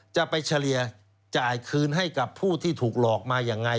จะไปเฉลี่ยจ่ายคืนให้กับผู้ที่ถูกหลอกมายังไง